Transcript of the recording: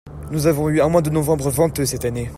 Nous avons eu un mois de novembre venteux cette année.